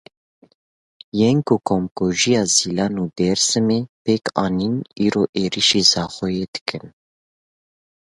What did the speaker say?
Yên ku komkujiya Zîlan û Dêrsimê pêk anîn, îro êrişî Zaxoyê dikin.